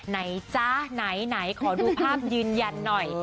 จ๊ะไหนขอดูภาพยืนยันหน่อย